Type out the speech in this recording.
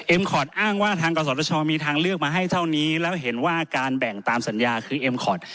คอร์ดอ้างว่าทางกศชมีทางเลือกมาให้เท่านี้แล้วเห็นว่าการแบ่งตามสัญญาคือเอ็มคอร์ด